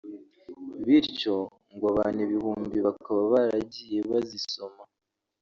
bityo ngo abantu ibihumbi bakaba baragiye bazisoma